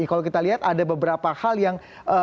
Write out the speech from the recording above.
kalau kita lihat ada beberapa hal yang